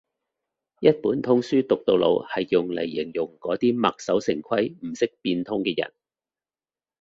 一本通書讀到老係用嚟形容嗰啲墨守成規唔識變通嘅人